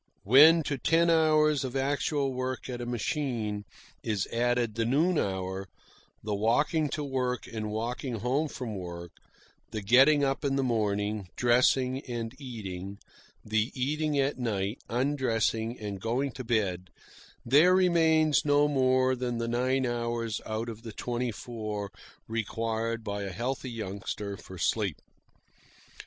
When to ten hours of actual work at a machine is added the noon hour; the walking to work and walking home from work; the getting up in the morning, dressing, and eating; the eating at night, undressing, and going to bed, there remains no more than the nine hours out of the twenty four required by a healthy youngster for sleep.